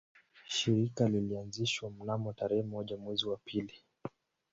Shirika lilianzishwa mnamo tarehe moja mwezi wa pili